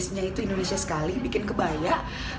taste nya itu indonesia sekali bikin kebaya